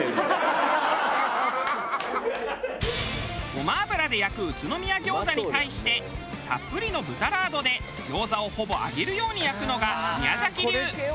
ごま油で焼く宇都宮餃子に対してたっぷりの豚ラードで餃子をほぼ揚げるように焼くのが宮崎流。